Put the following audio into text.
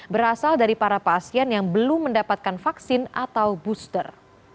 berasal dari para pasien yang belum mendapatkan vaksin atau booster